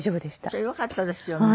それはよかったですよね。